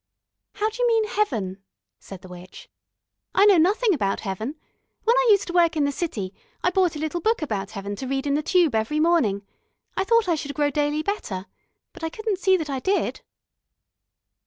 "How d'you mean heaven?" said the witch. "I know nothing about heaven. When I used to work in the City, I bought a little book about heaven to read in the Tube every morning. I thought I should grow daily better. But I couldn't see that I did."